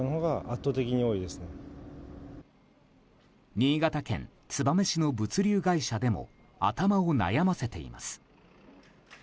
新潟県燕市の物流会社でも頭を悩ませています。